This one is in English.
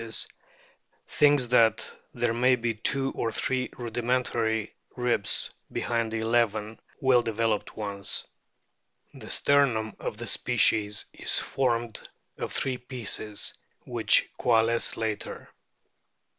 DOLPHINS 271 there may be two or three rudimentary ribs behind the eleven well developed ones. The sternum of the species is formed of three pieces, which coalesce later.